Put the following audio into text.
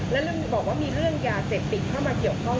แล้วบอกว่ามีเรื่องยาเสพติดเข้ามาเกี่ยวข้อง